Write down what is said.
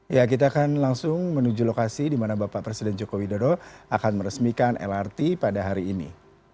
ya kita akan langsung menuju lokasi di mana bapak presiden joko widodo akan meresmikan lrt pada hari ini